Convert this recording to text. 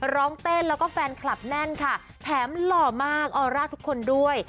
ร้องเต้นแล้วก็แฟนคลับแน่นค่ะแถมหล่อมากออร่าทุกคนด้วย